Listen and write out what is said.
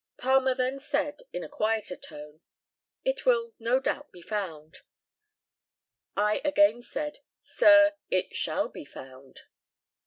Palmer then said, in a quieter tone, "It will no doubt be found." I again said, "Sir, it shall be found."